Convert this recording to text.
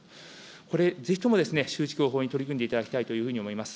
これ、ぜひとも周知、広報に取り組んでいただきたいと思います。